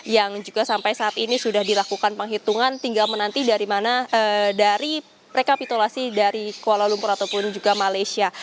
yang juga sampai saat ini sudah dilakukan penghitungan tinggal menanti dari mana dari rekapitulasi dari kuala lumpur ataupun juga malaysia